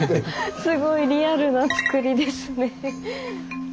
すごいリアルなつくりですね。